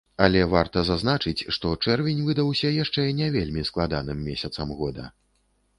Але варта зазначыць, што чэрвень выдаўся яшчэ не вельмі складаным месяцам года.